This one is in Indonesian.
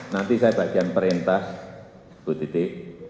nanti saya bagian perintah bu titi